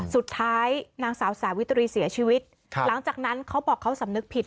นางสาวสาวิตรีเสียชีวิตหลังจากนั้นเขาบอกเขาสำนึกผิด